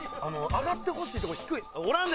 上がってほしいとこ低い。